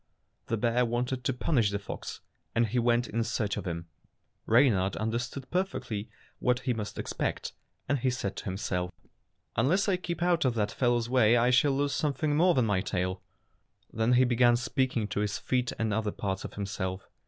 The bear wanted to punish the fox, and he went in search of him. Reynard under stood perfectly what he must expect, and he said to himself, "Unless I keep out of that fellow's way I shall lose something more than my tail." Then he began speaking to his feet and other parts of himself.